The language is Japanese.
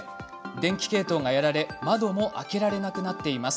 電気系統がやられ窓も開けられなくなっています。